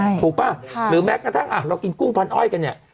ถูกป่ะหรือแม้กระทั่งอ่ะเรากินกุ้งพันอ้อยกันเนี่ย